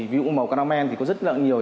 ví dụ màu caramel thì có rất là nhiều